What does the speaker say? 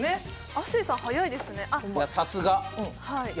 亜生さん早いですねいや